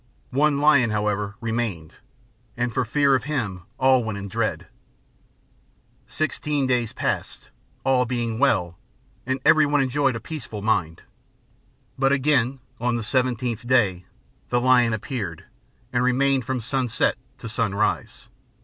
One lion, however, remained, and for fear of him all went in dread; Sixteen days passed, all being well, and everyone enjoyed a peaceful mind; But again, on the seventeenth day, the lion appeared and remained from sunset to sunrise.